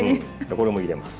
これも入れます。